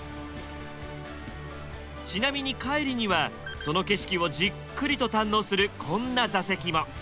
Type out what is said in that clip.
ちなみに海里にはその景色をじっくりと堪能するこんな座席も。